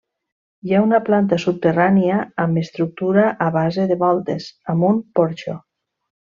Hi ha una planta subterrània amb estructura a base de voltes, amb un porxo.